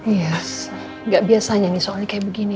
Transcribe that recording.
yes gak biasanya nih soalnya kayak begini